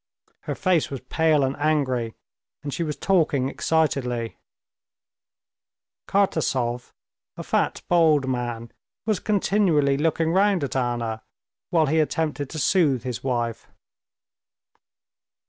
Her face was pale and angry, and she was talking excitedly. Kartasov, a fat, bald man, was continually looking round at Anna, while he attempted to soothe his wife.